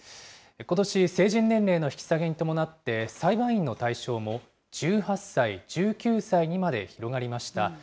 ことし、成人年齢の引き下げに伴って、裁判員の対象も、１８歳、１９歳にまで広がりました。